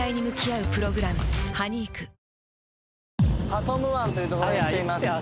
パトゥムワンという所に来ています